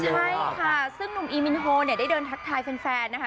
ใช่ค่ะซึ่งหนุ่มอีมินโฮเนี่ยได้เดินทักทายแฟนนะคะ